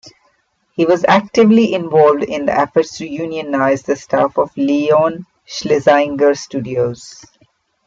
He was actively involved in efforts to unionize the staff of Leon Schlesinger Studios.